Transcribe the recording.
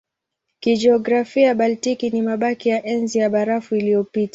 Kijiografia Baltiki ni mabaki ya Enzi ya Barafu iliyopita.